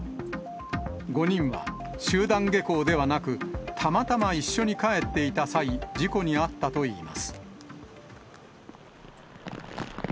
５人は集団下校ではなく、たまたま一緒に帰っていた際、事故に遭ったといいます。